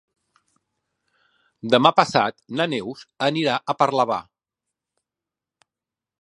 Demà passat na Neus anirà a Parlavà.